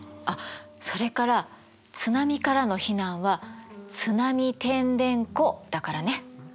あっそれから津波からの避難は津波てんでんこだからね！